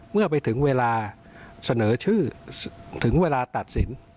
เมื่อไปถึงเวลาเสนอชื่อถึงเวลาตัดสิน